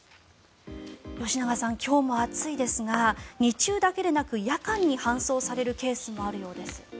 吉永さん、今日も暑いですが日中だけでなく夜間に搬送されるケースもあるようです。